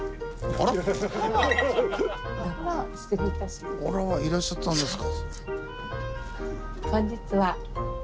あらいらっしゃったんですか。